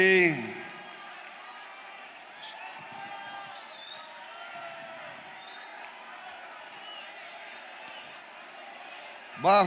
kita bisa berlabuh ya